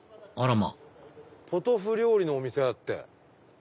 あらまポトフ料理のお店だって。